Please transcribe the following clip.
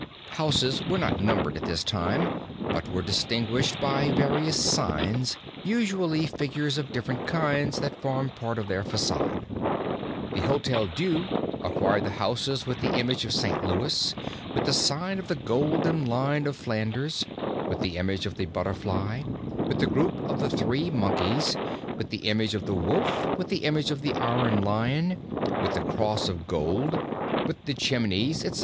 Houses were not numbered at this time but were distinguished by various signs, usually figures of different kinds that formed part of their facade. The Hotel Dieu acquired the houses with the image of St. Louis, with the sign of the golden lion of Flanders, with the image of the butterfly, with the group of the three monkeys, with the image of the wolf, with the image of the iron lion, with the cross of gold, with the chimneys, etc.